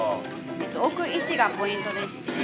◆置く位置がポイントですね。